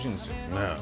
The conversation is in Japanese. ねえ。